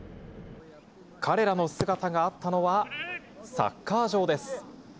彼らの姿があったのは、サッカー場です。